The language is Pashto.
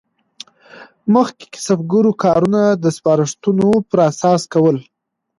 مخکې کسبګرو کارونه د سپارښتونو پر اساس کول.